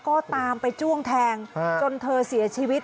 ก็ตามไปจ้วงแทงจนเธอเสียชีวิต